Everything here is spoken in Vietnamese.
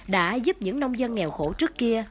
đã giúp những nông dân nghèo khổ trước kia